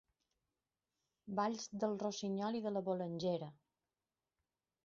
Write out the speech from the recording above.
Balls del Rossinyol i de la Bolangera.